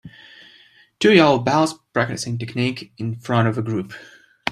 Two yellow belts practicing technique in front of a group